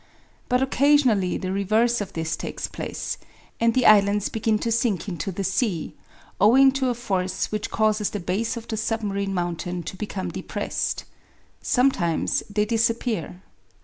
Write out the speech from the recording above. But occasionally the reverse of this takes place, and the islands begin to sink into the sea, owing to a force which causes the base of the submarine mountain to become depressed. Sometimes they disappear.